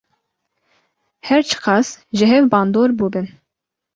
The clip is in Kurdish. Her çi qas ji hev bandor bûbin.